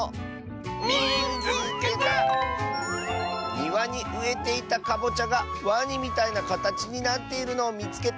「にわにうえていたカボチャがワニみたいなかたちになっているのをみつけた！」。